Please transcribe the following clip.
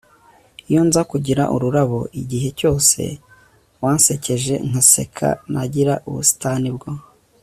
iyo nza kugira ururabo igihe cyose wansekeje nkanseka, nagira ubusitani bwo